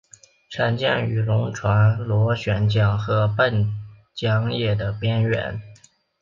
常见于轮船螺旋桨和泵桨叶的边缘。